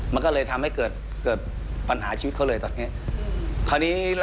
มันก็เลยทำให้เกิดปัญหาชีวิตเขาเลยตอนนี้